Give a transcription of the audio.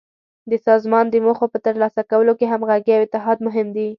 د سازمان د موخو په تر لاسه کولو کې همغږي او اتحاد مهم دي.